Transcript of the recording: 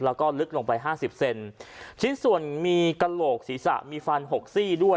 แล้วก็ลึกลงไปห้าสิบเซนชิ้นส่วนมีกระโหลกศีรษะมีฟันหกซี่ด้วย